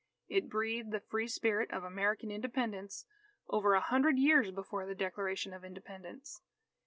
It breathed the free spirit of American Independence over a hundred years before the Declaration of Independence.